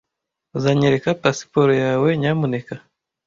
Uzanyereka pasiporo yawe, nyamuneka?